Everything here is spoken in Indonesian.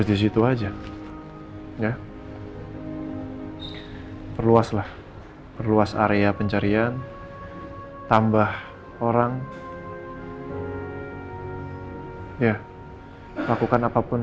silahkan mbak mbak mbak